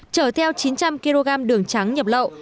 chở theo chín trăm linh kg đường trắng nhập lậu